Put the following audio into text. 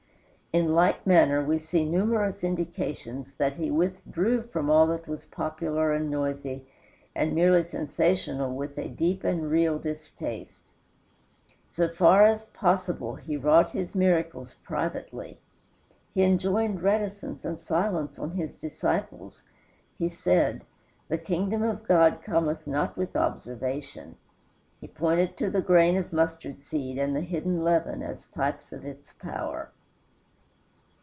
In like manner we see numerous indications that he withdrew from all that was popular and noisy and merely sensational with a deep and real distaste. So far as possible he wrought his miracles privately. He enjoined reticence and silence on his disciples. He said, "The kingdom of God cometh not with observation." He pointed to the grain of mustard seed and the hidden leaven as types of its power.